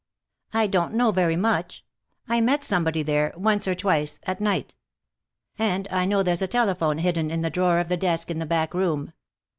"I don't know very much. I met somebody there, once or twice, at night. And I know there's a telephone hidden in the drawer of the desk in the back room.